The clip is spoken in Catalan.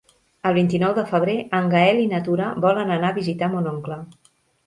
El vint-i-nou de febrer en Gaël i na Tura volen anar a visitar mon oncle.